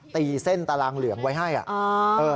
ตีเส้นตารางเหลืองไว้ให้อ่ะ